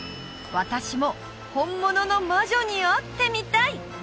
私も本物の魔女に会ってみたい！